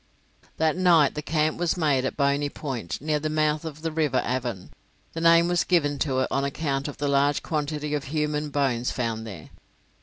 That night the camp was made at Boney Point, near the mouth of the River Avon; the name was given to it on account of the large quantity of human bones found there.